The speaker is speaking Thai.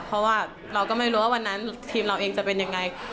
เพราะว่าเราก็ไม่รู้ว่าวันนั้นทีมเราเองจะเป็นยังไง